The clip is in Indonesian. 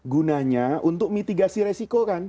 gunanya untuk mitigasi resiko kan